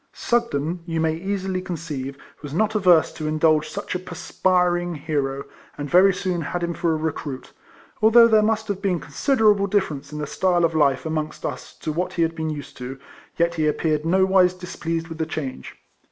Sugden, you may easily conceive, was not averse to indulge such a ^''perspiring " hero, and very soon had him for a recruit. Although there must have been considerable difference in the style of life amongst us to what he had been used to, yet he appeared nowise RIFLEMAN HARRIS. 121 displeased with the change.